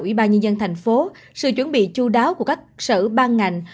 ủy ban nhân dân thành phố sự chuẩn bị chú đáo của các sở ban ngành